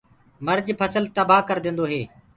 مرج ڦسل تبآه ڪرديندو هي۔